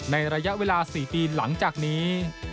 ในระยะเวลา๔ปีหลังจากนี้